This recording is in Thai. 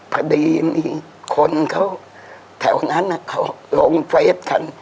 พอดีมีคนเขาแถวนั้นเขาลงเฟสกัน